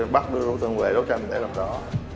bắt đưa đối tượng về đấu tranh để làm rõ